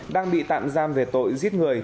đang bị tạm giam về tội giết người